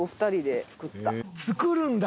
作るんだ！